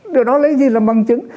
điều đó lấy gì là bằng chứng